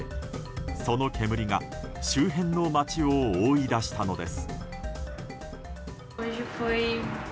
その煙が周辺の街を覆い出したのです。